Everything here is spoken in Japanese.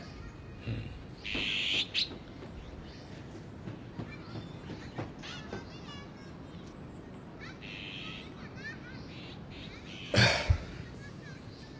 うん。ああ。